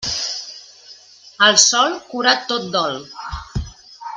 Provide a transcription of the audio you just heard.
El sol cura tot dol.